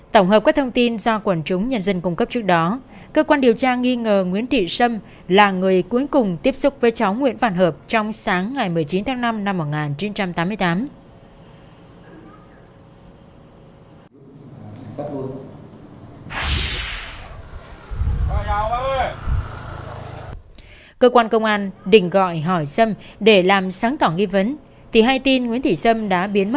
tổng hợp các thông tin do quần chúng nhân dân cung cấp trước đó cơ quan điều tra nghi ngờ nguyễn thị sâm là người cuối cùng tiếp xúc với cháu nguyễn văn hợp trong sáng ngày một mươi chín tháng năm năm một nghìn chín trăm tám mươi tám